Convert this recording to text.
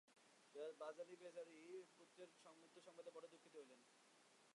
বালাজী বেচারার পুত্রের মৃত্যু-সংবাদে বড়ই দুঃখিত হইলাম।